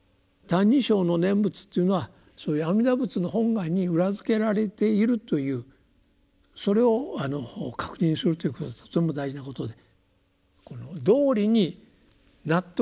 「歎異抄」の念仏というのはそういう阿弥陀仏の本願に裏付けられているというそれを確認するということはとても大事なことでこの道理に納得しなかったらですね